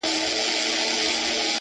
خو څه نه سي ويلای تل،